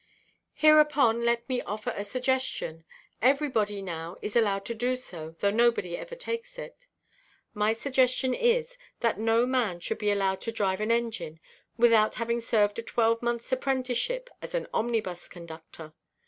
Hereupon, let me offer a suggestion—everybody now is allowed to do so, though nobody ever takes it. My suggestion is, that no man should be allowed to drive an engine without having served a twelvemonthʼs apprenticeship as an omnibus conductor.